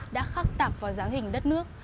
đã khắc tạp vào dáng hình đất nước